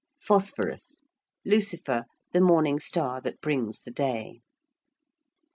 ~Phosphorus~: Lucifer, the morning star that brings the day. 49.